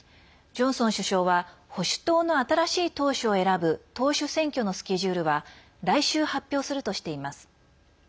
ジョンソン首相は保守党の新しい党主を選ぶ党首選挙のスケジュールは来週発表するとしています。